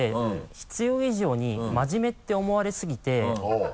必要以上に真面目って思われすぎて。